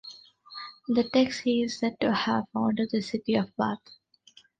In the text he is said to have founded the city of Bath.